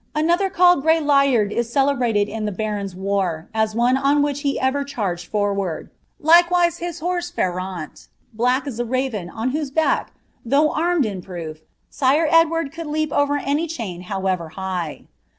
another colled Grey Lyard ie celebralcd in the hdrons' waT«,n one on which he ever « charged forward;" likewise h>9 horse Ferrauni, '^ black as a raven, on whose back, though armed in prooC Sire Edward eould leap over any chain however high."